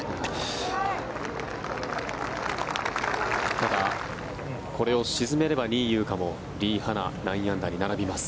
ただ、これを沈めれば仁井優花もリ・ハナ、９アンダーに並びます。